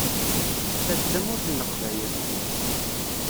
Ta d Tamurt n Leqbayel.